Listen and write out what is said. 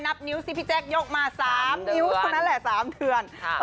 นับนิ้วสิพี่แจ๊คยกมา๓นิ้วเท่านั้นแหละ๓เถื่อน